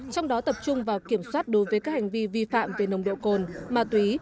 trong đó tập trung vào kiểm soát đối với các hành vi vi phạm về nồng độ cồn ma túy